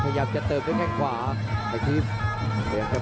พยายามจะไถ่หน้านี่ครับการต้องเตือนเลยครับ